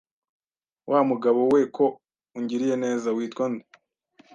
Wa mugabo we ko ungiriye neza, witwa nde